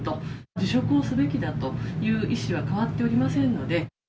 辞職をすべきだという意思は変わっておりませんので。